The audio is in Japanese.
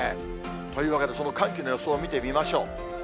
というわけで、その寒気の予想を見てみましょう。